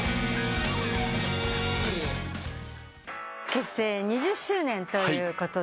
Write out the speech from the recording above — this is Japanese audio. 結成２０周年ということで。